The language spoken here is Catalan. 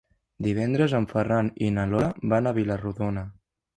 Divendres en Ferran i na Lola van a Vila-rodona.